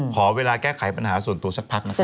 ขอเวลาแก้ไขปัญหาส่วนตัวสักพักนะครับ